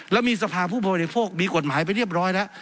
แล้วมีสภาผู้บริโภคมีกฎหมายไปเรียบร้อยแล้ว